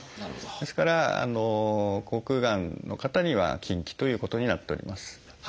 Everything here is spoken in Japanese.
ですから口腔がんの方には禁忌ということになっております。